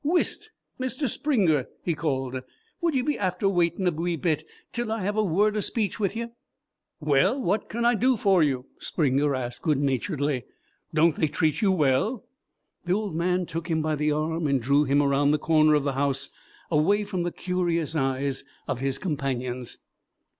"Whist, Mister Springer," he called; "would ye be after waiting a wee bit till I have a word of speech with yer." "Well, what can I do for you?" Springer asked good naturedly. "Don't they treat you well?" The old man took him by the arm and drew him around the corner of the house, away from the curious eyes of his companions.